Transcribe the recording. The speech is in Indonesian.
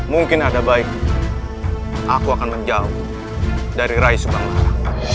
mungkin ada baiknya aku akan menjauh dari raih subang lara